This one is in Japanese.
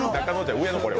上野、これは。